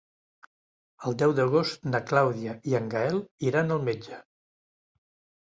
El deu d'agost na Clàudia i en Gaël iran al metge.